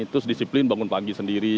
terus disiplin bangun pagi sendiri